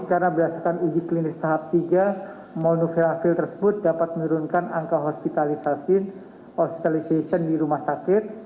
karena berdasarkan uji klinis tahap tiga molnupiravir tersebut dapat menurunkan angka hospitalisasi di rumah sakit